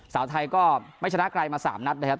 สาวไทยก็ไม่ชนะใครมา๓นัดนะครับ